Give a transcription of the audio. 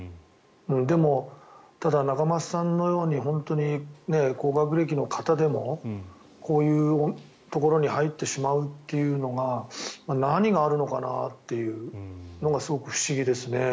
でもただ、仲正さんのように本当に高学歴の方でもこういうところに入ってしまうというのが何があるのかなというのがすごく不思議ですね。